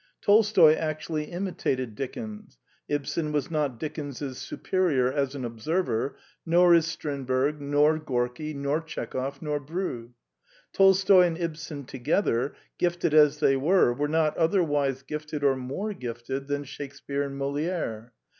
Tolstoy actually imitated Dickens. Ibsen was not Dickens's superior as an observer, nor is Strindberg, nor Gorki, nor Tchekov, nor Brieux. Tolstoy and Ibsen together, gifted as they were, were not otherwise gifted or more gifted than Shakespear and Moliere.